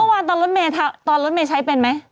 เมื่อวานตอนรถเมใช้เป็นไหม